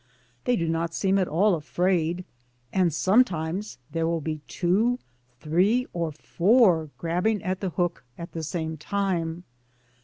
They do not seem at all afraid, and sometimes there will be two, three, or four grabbing at the hook at the same time.